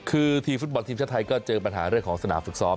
คือทีมฟุตบอลทีมชาติไทยก็เจอปัญหาเรื่องของสนามฝึกซ้อม